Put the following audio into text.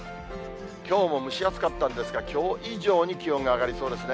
きょうも蒸し暑かったんですが、きょう以上に気温が上がりそうですね。